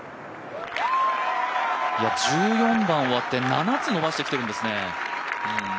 １４番終わって７つ伸ばしてきてるんですね。